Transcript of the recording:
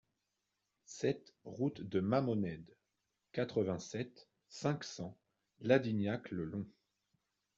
sept route de Masmonède, quatre-vingt-sept, cinq cents, Ladignac-le-Long